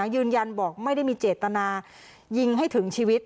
ยืนยันบอกไม่ได้มีเจตนายิงให้ถึงชีวิต